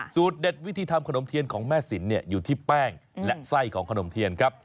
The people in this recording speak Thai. เด็ดวิธีทำขนมเทียนของแม่สินอยู่ที่แป้งและไส้ของขนมเทียนครับ